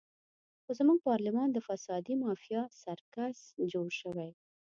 خو زموږ پارلمان د فسادي مافیا سرکس جوړ شوی.